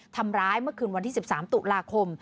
ทำร้ายเมื่อคืนวันที่๑๓ตุลาคม